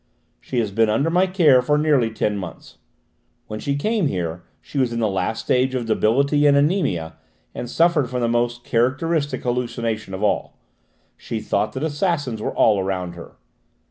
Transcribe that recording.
She has been under my care for nearly ten months. When she came here she was in the last stage of debility and anæmia and suffered from the most characteristic hallucination of all: she thought that assassins were all round her.